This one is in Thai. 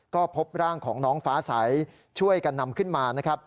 ก็พบร่างของน้องฟ้าสายช่วยกันนำขึ้นมา